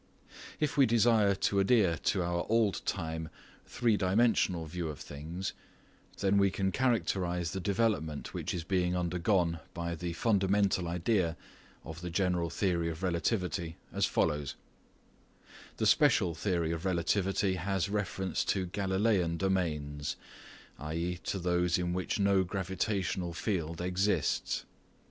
If we desire to adhere to our "old time" three dimensional view of things, then we can characterise the development which is being undergone by the fundamental idea of the general theory of relativity as follows : The special theory of relativity has reference to Galileian domains, i.e. to those in which no gravitational field exists.